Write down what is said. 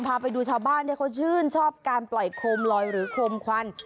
พาไปดูชาวบ้านที่เขาชื่นชอบการปล่อยโคมลอยหรือโคมควัน